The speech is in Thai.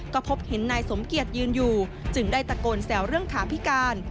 ก็พบเห็นนายสมเกียจยืนอยู่จึงได้ตะโกนแสวเรื่องขาพิการ